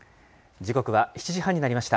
時刻は７時半になりました。